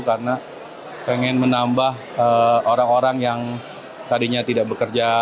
karena pengen menambah orang orang yang tadinya tidak bekerja